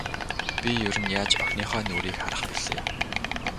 Би ер нь яаж охиныхоо нүүрийг харах билээ.